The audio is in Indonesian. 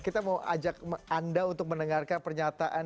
kita mau ajak anda untuk mendengarkan pernyataan